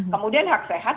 kemudian hak sehat